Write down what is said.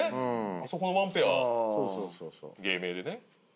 あそこの１ペア芸名でね。